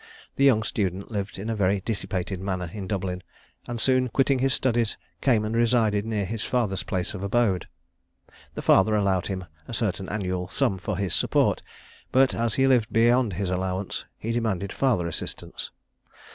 The young student lived in a very dissipated manner at Dublin, and soon quitting his studies, came and resided near his father's place of abode. The father allowed him a certain annual sum for his support; but, as he lived beyond his allowance, he demanded farther assistance.